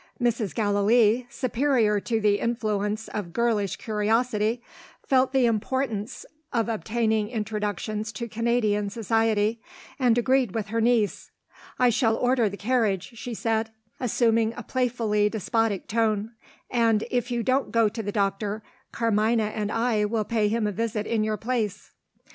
Mrs. Gallilee (superior to the influence of girlish curiosity) felt the importance of obtaining introductions to Canadian society, and agreed with her niece. "I shall order the carriage," she said, assuming a playfully despotic tone; "and, if you don't go to the doctor Carmina and I will pay him a visit in your place."